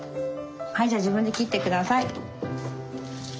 はいじゃあ自分で切って下さい。